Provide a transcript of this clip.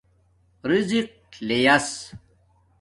رزِق لَیس